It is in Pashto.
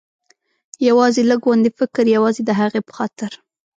یوازې لږ غوندې فکر، یوازې د هغې په خاطر.